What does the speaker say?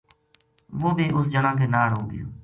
وہ بھی اِس جنا کے ناڑ ہو گیو